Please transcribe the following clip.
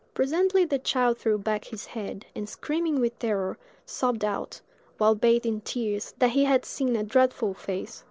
Presently the child threw back his head, and screaming with terror, sobbed out, while bathed in tears, that he had seen a dreadful face.